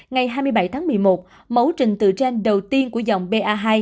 ngày hai mươi bảy tháng một mươi một mẫu trình tự gen đầu tiên của dòng ba hai